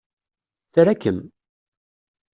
Tra-kem!